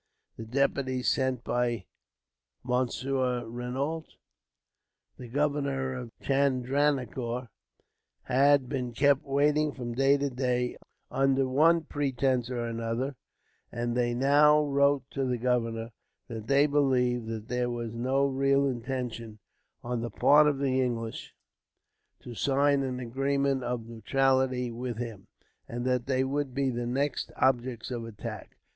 The deputies sent by Monsieur Renault, the governor of Chandranagore, had been kept waiting from day to day, under one pretence or another; and they now wrote to the governor that they believed that there was no real intention, on the part of the English, to sign an agreement of neutrality with him; and that they would be the next objects of attack.